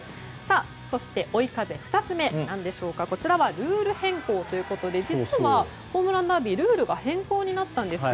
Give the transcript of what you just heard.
そして、追い風２つ目ルール変更ということで実はホームランダービールールが変更になったんですよ。